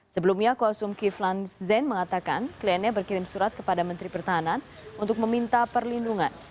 sebelumnya kuasum kiflan zen mengatakan kliennya berkirim surat kepada menteri pertahanan untuk meminta perlindungan